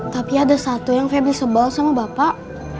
tapi ada satu yang febri sebel sama bapak